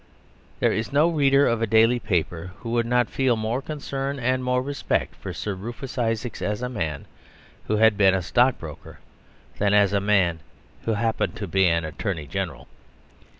There is no reader of a daily paper who would not feel more concern and more respect for Sir Rufus Isaacs as a man who has been a stockbroker, than as a man who happens to be Attorney General.